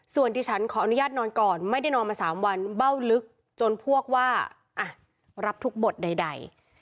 ส่วนที่ฉันขออนุญาตนอนก่อนไม่ได้นอนมา๓วันเบ้าลึกจนพวกว่ารับทุกบทใด